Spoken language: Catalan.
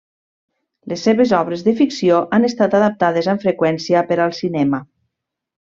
Les seves obres de ficció han estat adaptades amb freqüència per al cinema.